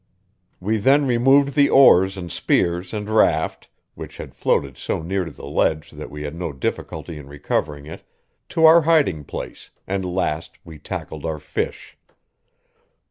We then removed the oars and spears and raft which had floated so near to the ledge that we had no difficulty in recovering it to our hiding place, and last we tackled our fish.